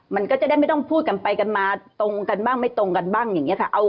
มันก็จะได้ไม่ต้องพูดกันไปกันมาตรงกันบ้างไม่ตรงกันบ้างอย่างนี้ค่ะ